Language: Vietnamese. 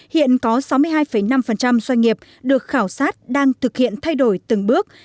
hiện có sáu mươi hai năm doanh nghiệp được khảo sát đang thực hiện thay đổi từng bước